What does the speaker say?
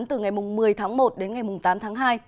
từ ngày một mươi tháng một đến ngày tám tháng hai